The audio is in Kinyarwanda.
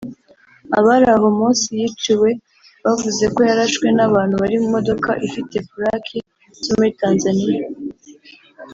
Abari aho Mossi yiciwe bavuze ko yarashwe n’abantu bari mu modoka ifite pulaki zo muri Tanzania